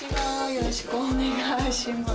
よろしくお願いします。